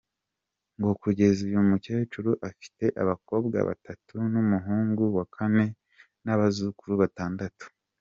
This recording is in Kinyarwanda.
Ngo kugeza uyu mukecuru afite abakobwa batatu n’umuhugu wa kane n’abazukuru batandatu.